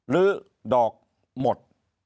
ลื้อดอกหมด